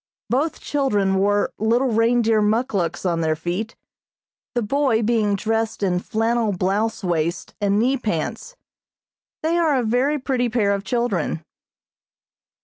Both children wore little reindeer muckluks on their feet, the boy being dressed in flannel blouse waist and knee pants. They are a very pretty pair of children.